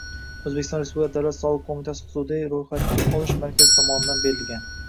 O‘zbekiston Respublikasi Davlat soliq qo‘mitasi huzuridagi ro‘yxatga olish markazi tomonidan berilgan